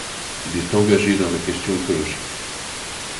Il est engagé dans la question écologique.